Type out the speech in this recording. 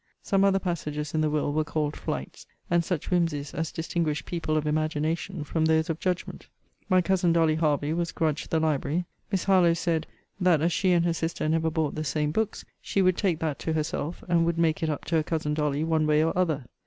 Some other passages in the will were called flights, and such whimsies as distinguish people of imagination from those of judgment. My cousin Dolly Hervey was grudged the library. Miss Harlowe said, That as she and her sister never bought the same books, she would take that to herself, and would make it up to her cousin Dolly one way or other.